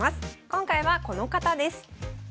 今回はこの方です。